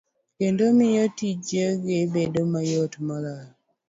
kendo miyo tijegi bedo mayot moloyo.